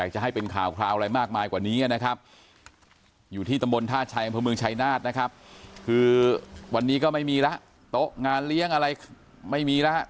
ชะยนาจวันนี้ก็ไม่มีแล้วโต๊ะงานเลี้ยงอะไรไม่มีแล้ว